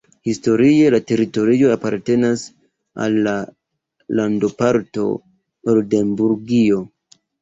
Historie la teritorio apartenas al la landoparto Oldenburgio.